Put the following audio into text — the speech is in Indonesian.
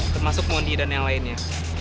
termasuk mondi dan yang lainnya